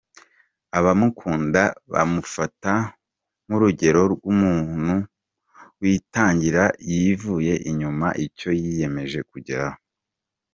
Abamukunda bamufata nk'urugero rw'umuntu witangira yivuye inyuma icyo yiyemeje kugeraho.